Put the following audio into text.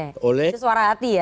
itu suara hati ya